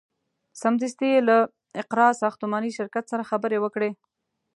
سمدستي یې له اقراء ساختماني شرکت سره خبرې وکړې.